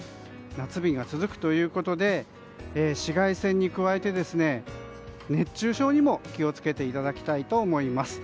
夏日が続くということで紫外線に加えて、熱中症にも気を付けていただきたいと思います。